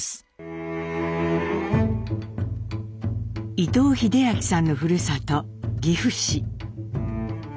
伊藤英明さんのふるさと岐阜市。